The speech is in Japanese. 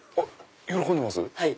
喜んでます